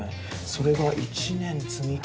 それが１年積み重なって。